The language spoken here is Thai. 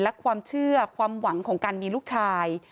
และความเชื่อความหวังของการมีลูกชาย